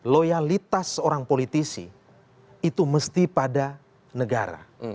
loyalitas seorang politisi itu mesti pada negara